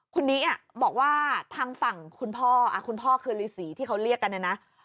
คุณนิบอกว่าทางฝั่งคุณพ่อคุณพ่อคือฤษีที่เขาเรียกกันเนี่ยนะ